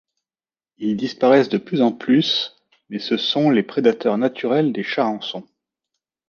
Ils disparaissent de plus en plus, mais ce sont les prédateurs naturels des charançons.